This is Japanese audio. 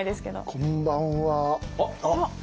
こんばんは。